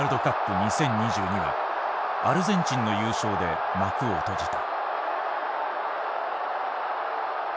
２０２２はアルゼンチンの優勝で幕を閉じた。